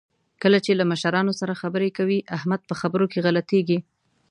کله چې له مشرانو سره خبرې کوي، احمد په خبرو کې غلطېږي.